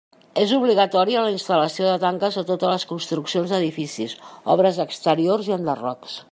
És obligatòria la instal·lació de tanques a totes les construccions d'edificis, obres exteriors i enderrocs.